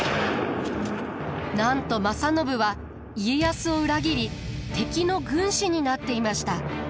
なんと正信は家康を裏切り敵の軍師になっていました。